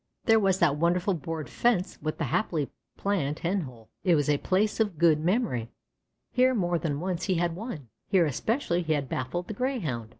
There was that wonderful board fence with the happily planned hen hole. It was a place of good memory here more than once he had won, here especially he had baffled the Greyhound.